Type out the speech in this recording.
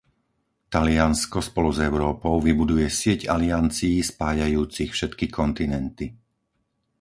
Taliansko spolu s Európou vybuduje sieť aliancií spájajúcich všetky kontinenty.